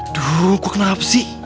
aduh kok kenapa sih